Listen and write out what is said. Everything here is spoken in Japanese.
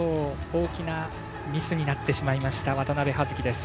大きなミスになってしまいました渡部葉月です。